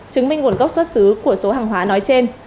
chứng minh nguồn gốc xuất xứ của số hàng hóa nói trên